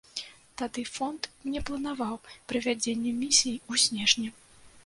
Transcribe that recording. Тады фонд не планаваў правядзенне місіі ў снежні.